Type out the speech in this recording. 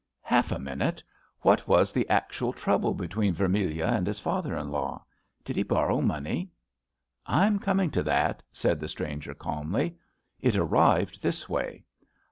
Half a minute. What was the actual trouble between Vermilyea and his father in law? Did he borrow money? "^* I'm coming to that," said the stranger calmly. ^' It arrived this way.